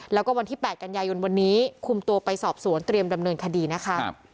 แล้วก็วันที่๘กันยายนวันนี้คุมตัวไปสอบสวนเตรียมดำเนินคดีนะคะ